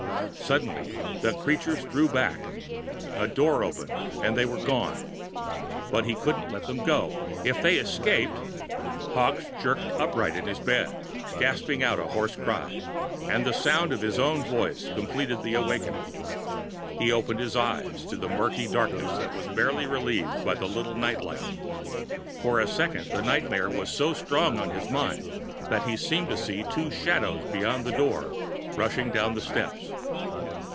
Suddenly, the creatures drew back. A door opened, and they were gone. But he couldn't let them go. If they escaped.... Hawkes jerked upright in his bed, gasping out a hoarse cry, and the sound of his own voice completed the awakening. He opened his eyes to a murky darkness that was barely relieved by the little night light. For a second, the nightmare was so strong on his mind that he seemed to see two shadows beyond the door, rushing down the steps.